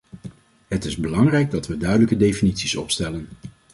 Het is belangrijk dat we duidelijke definities opstellen.